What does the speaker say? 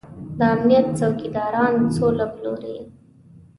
د امنيت څوکيداران سوله پلوري.